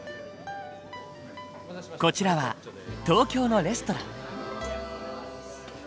こちらは東京のレストラン。